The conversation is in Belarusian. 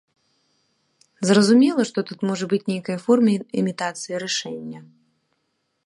Зразумела, што тут можа быць нейкая форма імітацыі рашэння.